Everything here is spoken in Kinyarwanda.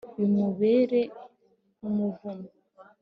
bimubera nk’umuvumo